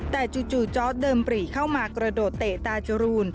แต่จู่จอร์ดเดินปรีเข้ามากระโดดเตะตาจรูน